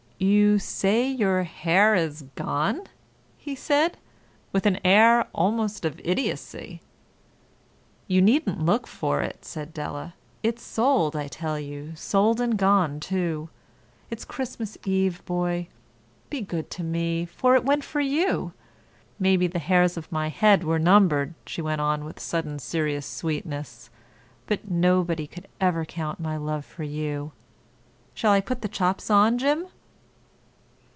"You say your hair is gone?" he said, with an air almost of idiocy. "You needn't look for it," said Della. "It's sold, I tell you—sold and gone, too. It's Christmas Eve, boy. Be good to me, for it went for you. Maybe the hairs of my head were numbered," she went on with sudden serious sweetness, "but nobody could ever count my love for you. Shall I put the chops on, Jim?"